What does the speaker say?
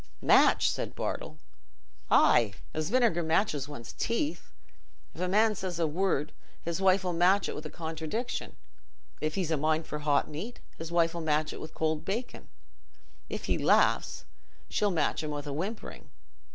"Match!" said Bartle. "Aye, as vinegar matches one's teeth. If a man says a word, his wife 'll match it with a contradiction; if he's a mind for hot meat, his wife 'll match it with cold bacon; if he laughs, she'll match him with whimpering.